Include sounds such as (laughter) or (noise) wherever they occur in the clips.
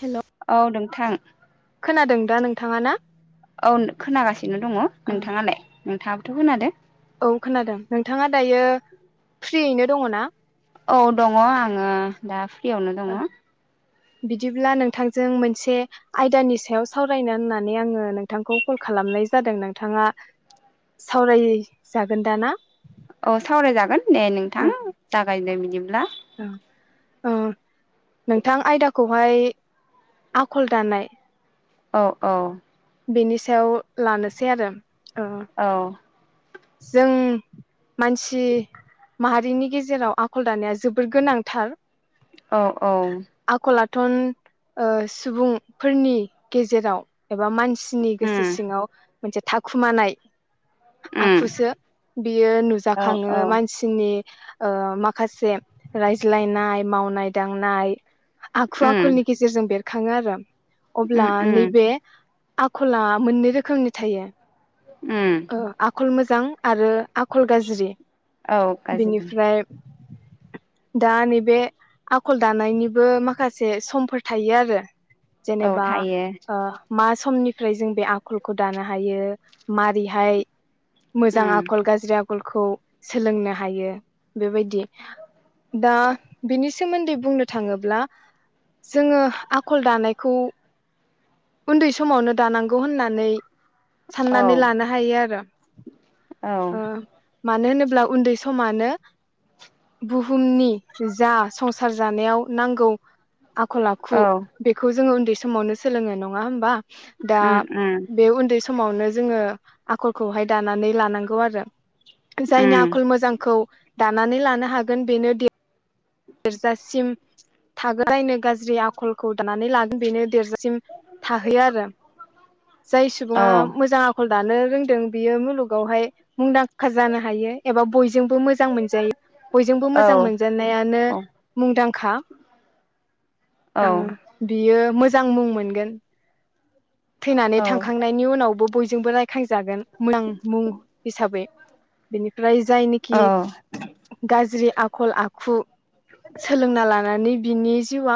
हेल' औ नों थां। खोनादों दा नोंथाङा ना। औ खोनागासिनो दङ नोंथाङालाय। नोंथाङाबोथ' खोनादों। औ खोनादों नोंथाङा दायो फ्रियैनो दङना। औ दङ आङो दा फ्रियावनो दङ। बिदिब्ला नोंथांजों मोनसे आयदानि सायाव सावरायनो होननानै आङो नोंथांखौ कल खालामनाय जादों नोंथाङा सावरायजागोन दा ना। औ सावरायजागोन दे नोंथां जागायदो। जागायदो बिदिब्ला। औ नोंथां आयदाखौहाय आखल दानाय। औ औ। बेनि सायाव लानोसै आरो। ओ औ। जों मानसि माहारिनि गेजेराव आखल दानाया जोबोर गोनांथार। औ-औ। आखल ओ सुबुंफोरनि गेजेराव एबा मान। सिनि गोसो उम सिङाव। मोनसे थाखुमानाय। उम आखुसो बियो औ नुजाखाङो औ मानसिनि। ओ माखासे रायज्लायनाय मावनाय दांनाय। आखु उम आखलनि गेजेरजों बेर। खाङो आरो। अब्ला उम उम नैबे। आखला मोननै रोखोमनि थायो। उम ओ आखल मो। जां आरो। आखल गाज्रि औ गाज्रि बिनिफ्राय दा नैबे आखल दानायनिबो माखासे समफोर थायो आरो औ जेनेबा थायो ओ मा समनि फ्रोय जों बे आखलखौ दानो हायो मारि हाय मोजां उम आखल गाज्रि आखल खौ सोलोंनो हायो बेबायदि दा बिनि सोमोन्दै बुंनो थाङोब्ला जोङो आखल दानायखौ उन्दै समावनो दानांगौ होननानै। औ साननानै लाना हायो आरो औ ओ मानो होनोब्ला उन्दै समानो बुहुमनि जा संसार जानायाव नांगौ आखल आखु औ बेखौ जोङो उन्दै समावनो सोलोङो नङा होमबा। दा उम उम बे उन्दै समावनो जोङो आखलखौहाय दानानै लानांगौ आरो जायनि उम आखल मोजांखौ दानानै लानो हागोन बेनो गिरजासिम थागोलायनो गाज्रि आखलखौ दानानै ला बेनो देरजा सिम थाहैयो आरो जाय औ सुबुङा मोजां आखल दानो रों बियो मुलुगावहाय मुंदांखा जानो हायो एबा बयजोंबो मोजां। जां मोनजायो बयजोंबो औ मोजां मोनजानायानो औ मुंदांखा ओ औ बियो मोजां मोजां मुं मोनगोन थैनानै थांखांनायनि उनावबो बय जोंबो रायखांजागोन मोजां मुं हिसाबै बेनि फ्राय जायनिखि औ गाज्रि आखल आ खु सोलोंना लानानै बिनि जिउआ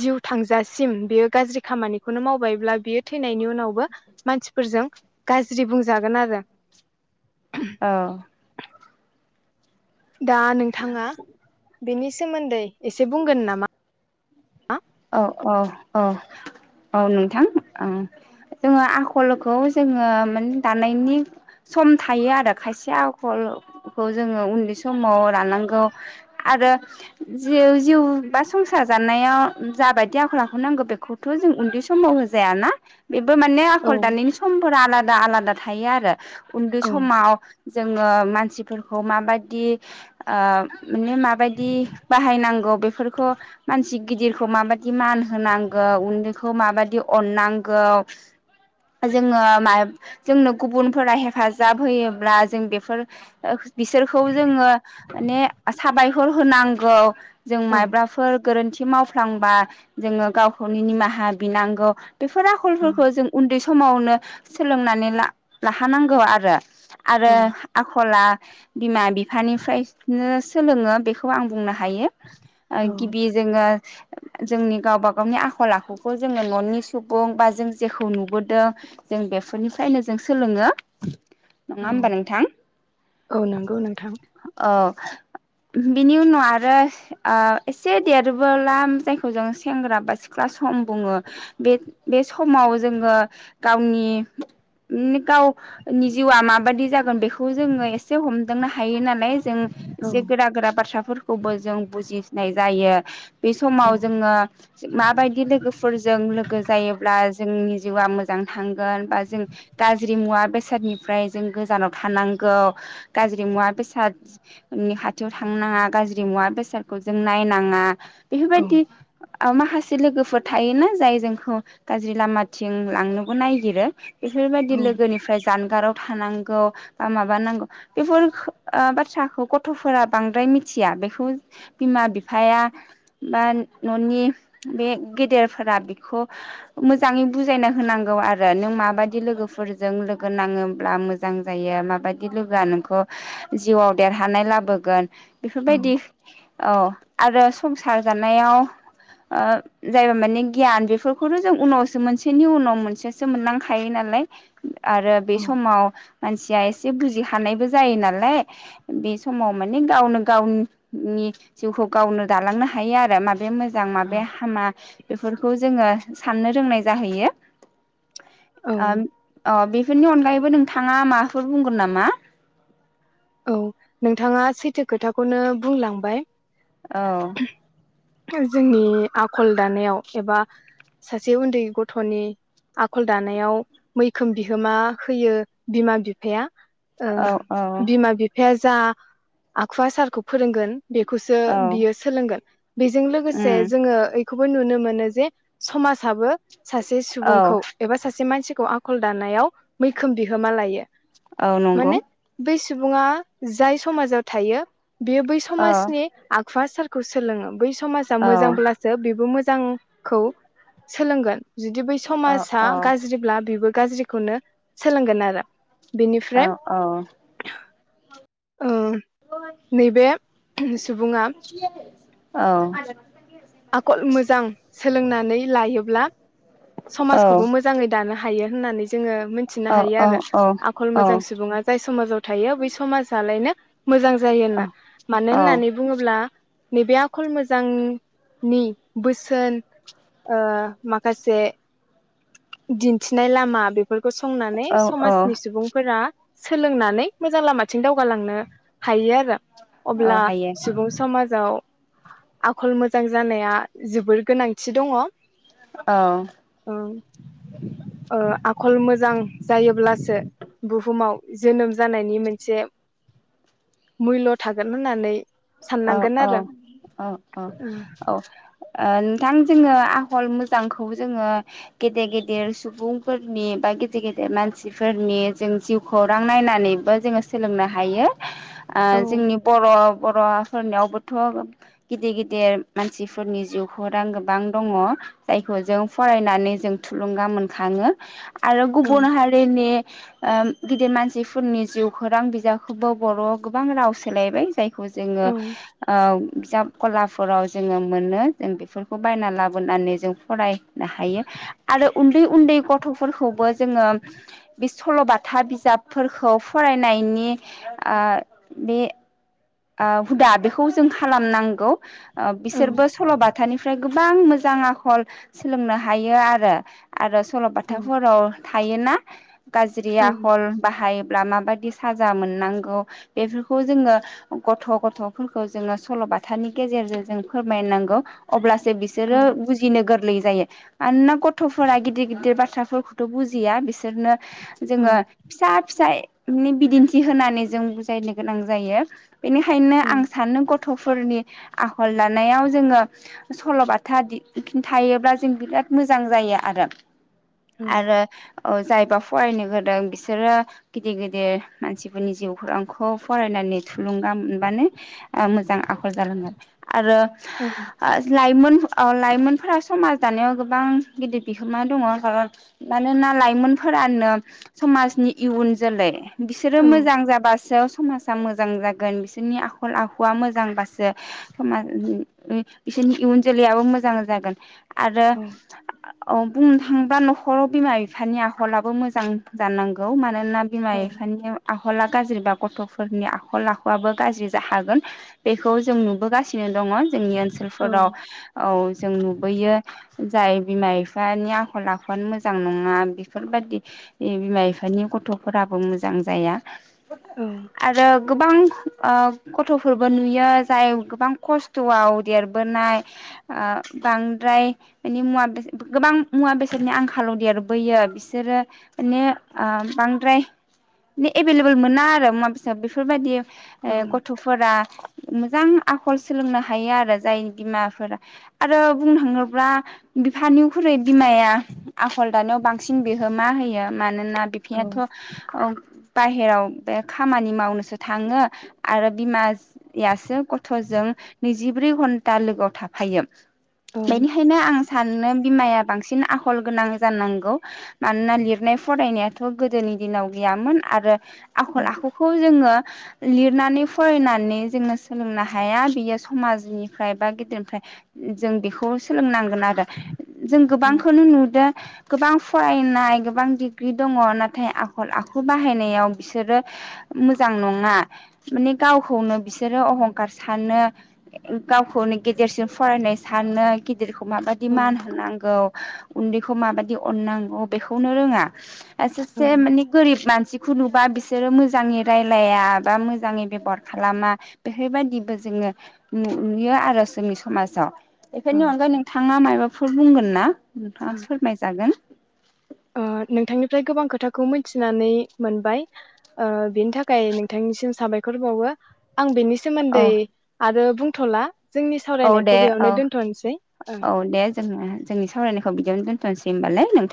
जिउ थांजासिम बेयो गाज्रि खामानिखौनो मावबायब्ला बेयो थैनायनि उनावबो मानसिफोरजों गाज्रि बुंजागोन आरो दा नोंथाङा बेनि सोमोन्दै एसे बुंगोन नामा? औ औ औ औ नोंथां ओ जोङो आखलखौ जोङो माने दानायनि सम थायो आरो खायसे आखलखौ जोङो उन्दै समाव दानांगौ आरो जि जिउ बा संसार जानायाव जाबायदि आखल आखु नांगौ बेखौथ' जों उन्दै समाव होजायाना बेबो माने औ आखल दानायनि समफोरा आला दा आलादा थायो आरो उन्दै औ समाव जोङो मान सिफोरखौ माबायदि ओ माने मा बायदि बाहायनांगौ बेफोरखौ मानसि गिदिर खौ माबादि मान होनांगौ उन्दैखौ माबादि अननांगौ जोङो मा जोंनो गुबुनफोरा हेफाजाब होयोब्ला जों बेफोर बिसोरखौ जोङो माने साबायखर होनांगौ जों औ मायबाफोर गोरोन्थि माव फ्लांबा जोङो गावखौनो निमाहा बिनांगौ बेफोर औ आखलफोरखौ जों उन्दै समावनो सोलोंनानै ला लाखानांगौ आरो आरो औ आखला बिमा बिफानिफ्रायनो सोलोङो बेखौ आं बुंनो हायो। ओ औ गिबि जोङो जोंनि गावबा गावनि आखल आखुखौ जोङो न'नि सुबुं बा जों जेखौ नुबोदों जों बेफोरनिफ्रायनो जों सोलोङो। नङा औ होमबा नोंथां औ नंगौ नोंथां औ। बिनि उनाव आरो ओ एसे देरबोला जायखौ जों सेंग्रा बा सिख्ला सम बुङो बे बे समाव जोङो गावनि गावनि जिउआ माबादि जागोन बेखौ जोङो एसे हमदांनो हायो नालाय जों औ एसे गोरा गोरा बाथ्रा फोरखौबो जों बुजिसनाय जायो बे औ समाव जोङो माबायदि लोगोफोरजों लोगो जायोब्ला जोंनि जिउआ मोजां थांगोन बा जों गाज्रि मुवा बेसादनिफ्राय जों गोजानाव थानांगौ गाज्रि मुवा बेसादनि खाथियाव थांनााङा गाज्रि मुवा बेसादखौ जों नायनाङा औ बेफोरबायदि माखासे लोगोफोर थायोना जाय जोंखौ गाज्रि लामाथिं लांनोबो नायागिरो। बेफोरबायदि औ लोगोनिफ्राय जानगाराव थानांगौ बा माब नांगौ बेफोर बाथ्राखौ गथ'फोरा बांद्राय मिथिया बेखौ बिमा बिफाया बा न'नि बे गेदेरफोरा बेखौ मोजाङै बुजायना होनांगौ आरो नों माबायदि लोगोफोरजों लोगो नाङोब्ला मोजां जायो माबायदि लोगोआ नोंखौ जिउआव देरहानाय लाबोगोन बेफोरबायदि औ। आरो संसार जानायाव ओ जायबा माने गियान बेफोरखौथ' जों उनावसो मोनसेनि उनाव मोनसेसो मोननांखायो नालाय आरो बे औ समाव मान मानसिया एसे बुजि हानायबो जायो नालाय बे समाव माने गावनो गावनि जिउखौ गावनो दालांनो हायो आरो बेमोज मोजां औ माबे हामा बेफोरखौ जोङो साननो रोंनाय जाहैयो औ ओ‌ अ बिफ बेफोरनि अनगायैबो नोंथाङा माबाफोर बुंगोन नामा औ नोंथाङा सैथो खोथाखौनो बुंलांबाय औ जोंनि आखल दानायाव एबा सासे उन्दै गथ'नि आखल दानायाव मैखोम बिहोमा होयो बिमा बिफाया ओ औ औ बिमा बिफाया जो जा आखुवा सारखौ फोरोंगोन बेखौसो औ बियो सोलोंगोन बेजों उम लोगोसे जोङो खौबो नुनो मोनो जे समाजाबो सासे औ सुबुंखौ एबा सासे मानसि खौ आखल दानायाव मैखोम बिहोमा लायो औ नंगौ माने बै सुबुङा जाय समाजाव थायो बेयो बै औ समाजनिआख खुआ सोरखौ सोलोङो बै समाजा औ मोजांब्लासो बेबो मोजां जांखौ सोलोंगोन जुदि बै समाजा औ गाज्रिब्ला बेबो गाज्रिखौनो सोलोंगोन आरो बेनिफ्राय औ औ औ नैबे (inaudible) (inaudible) औ आखल मोजां सोलोंना नै लायोब्ला समाजखौबो मोजाङै दानो हा थायो होननानै जोङो मिनथिनो हायो आरो आखल मोजां सुबुङा जाय समाजाव थायो बै समाजालायनो मोजां जायो होना मानो होननानै बुङोब्ला नैबे आखल मोजां नि बोसोन ओ माखासे दिन्थिनाय लामा बेफोर गसंनानै समाजनि सुबुंफोरा सोलोंनानै मोजां लामाथिं दावगालांनो हायो आरो। अब्ला सुबुं समाजाव आखल मोजां जानाया जोबोर गोनांथि दङ। औ। ओं ओ आखल मोजां जायोब्लासो बुहुमाव जोनोम जानायनि मोनसे मुल्य' थागोन होननानै औ साननांगोन औ आरो औ अ औ आ। थां जोङो आखल मोजांखौ जोङो गेदेर गेदेर सुबुंफोरनि बा गेदेर गेदेर मानसिफोरनि जों जिउखौरां नायनानैबो जोङो सोलोंनो हायो। ओ औ जोंनि बर' बर' फरायनायावबोथ' गिदिर गिदिर मानसिफोरनि जिउखौ रां गोबां दङ जायखौ जों फरायनानै जों थुलुंगा मोनखाङो। आरो औ गुबुन हारिनि ओ गिदिर मानसिफोरनि जिउखौ रां बिजाबखौबो बर'आव गोबां राव सोलायबाय जायखौ जों औ बिजाब गलाफोराव जोङो मोनो जों बेफोरखौ बायना लाबोनानै जों फरायनो हायो आरो उन्दै उन्दै गथ'फोरखौबो जोङो बे सल'बाथा बिजाबफोरखौ फरायनायनि ओ बे ओ हुदा बेखौ जों खालामनांगौ। ओ औ बिसोरबो सल'बाथानिफ्राय गोब गोबां मोजां आखल सोलोंनो हायो आरो। आरो औ ओं सल'बाथाफोराव थायोना गाज्रि औ आखल बाहाय ब्ला माबायदि साजा मोननांगौ बेफोरखौ जोङो गथ' गथ'फोरखौ जोङो सल'बाथानि गेजेरजों जों फोरमायनांगौ अब्ला सो औ बिसोरो बुजिनो गोरलै जायो मानोना गथ'फोरा गिदिर गिदिर बाथ्राफोरखौथ' बुजिया बिसोरनो औ जोङो फिसा फिसाय नि बिदिन्थि होनानै जों बुजायनो गोनां जायो। बेनिखायनो औ आं सानो गथ' गथ'फोरनि आखल दानायाव जोङो सल'बाथा खिन्थायायोब्ला जों बिराद मोजां जायो आरो। औ आरो औ जायबा फरायनो गदों बिसोरो गिदिर गिदिर मानसिफोरनि जिउ खौरांखौ फरायनानै थुलुंगा मोनबानो मोजां आखल जालांगोन आरो औ लाइमोन लाइमोनफोरा समाज दानायाव गोबां गिदिर बिहोमा दंङ खारन मानोना लाइमोनफोरानो समाजनि इयुन जोलै बिसोरो मोजां औ जाबासो समाजा मोजां मोजां जागोन बिसोरनि आखल आखुवा मोजांबासो सम बिसोरनि इयुन जोलैयाबो मोजां जागोन आरो औ औ बुंनो थांङोबा नखराव बिमा बिफानि आखलाबो मोजां जानांगौ मानोना ना बिमा बिफानिआ आखला गाज्रिबा गथफोरनि आल आखर लाखआबो गाज्रि ज हागोन बेखौ जों नुबोगासिनो दंङ जोंनि ओनसोलफोराव औ औ जों नुबोयो जाय बिमा बिफानि आखल आखुानो मोजां नंङा बेफोरबायादि बिमा बिफानि गथफोराबो मोजां जाया आरो गोबां ओ गथफोरबो नुयो जाय गोबां खस्थआव देरबोनाय बांद्राय माने मुवा बेसाद गोबां मुवा बेसादनि आंखालाव देरबोयो बिसोरो माने बांद्राय एभेलेबल मोना आरो मुवा बेसाद बेफोर बेफोरबायदि ए गथफोरा मोजां आखल सोलोंनो हायो आरो जाय बिमाफोरा आरो बुंनो थांङोब्ला बिफानिख्रुइ बिमाया आखल दानायाव बांसिन बेहो मा होयो मा मानोना बिफयाथ बाहेरायाव बे खामानि मावनो सान थांङो आरो बिमायसो गथजों नैजिब्रै घन्टा लोगोआव थाफायो बेनिखायनो आं सानोनो बिमाया बांसिन आखल गोनां जानांगौ मानोना लिरनाय फरायनायाथ गोदोनि दिनाव गैयामोन आरो आखल आखुखौ जोंङो लिरनानै फरायनानै जोंनो सोलोंनो हाया बियो समाजनिफ्राय बा गेदेरनिफ्राय जों बेखौ सोलोंनांगोन आरो जों गोबांखौनो नुदो गोबां फरायनाय गोबां डिग्रि दंङ नाथाय आखल आखु बाहायनायाव बिसोरो मोजां नं ङा माने गावखौनो बिसोरो अहंखार सानो गावखौनो गेदेरसिम फरायनाय सानो गिदिरखौ माबादि मान होनांगौ उन्दैखौ माबायदि अननांगौ बेखौनो रोंङा सासे औ माने गोरिब मानसि खुनुबा बिसोरो मोजांङै रायलाय याबा मोजांङै बेबहार खालामा बेफोरबायदिबो जोंङो नुयो आरो जोंनि समाजाव औ बेफोरायनि अनगायै नोंथाङा मायबाफोर बुंगोन ना नोंथाङा फोरमायजागोन ओ नोंथांनिफ्राय गोबां खो खोथाखौ मिथिनानै मोनबाय बेनि थाखाय नोंथांनिसिम साबायखर बावो। आं बेनि औ सोमोन्दै आरो बुं थला जोंनि औ दे सावरायनायखौ औ बेयावनो दोन्थ'नोसै ओं औ दे। जोङो जोंनि सावरायनायखौ बिदिनो दोनथ'सै होनबालाय नोंथां।